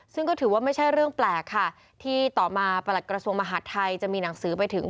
ซึ่งก็ถือว่าไม่ใช่เรื่องแปลกค่ะที่ต่อมาประหลัดกระทรวงมหาดไทยจะมีหนังสือไปถึง